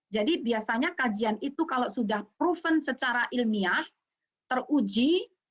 jadi biasanya kajian itu kalau sudah proven secara ilmiah teruji